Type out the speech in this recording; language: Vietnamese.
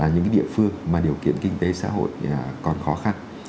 những địa phương mà điều kiện kinh tế xã hội còn khó khăn